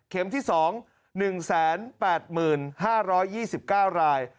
เข็มที่๒๑๘๕๐๒๙ราย